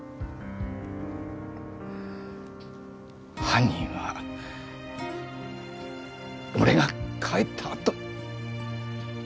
犯人は俺が帰ったあと。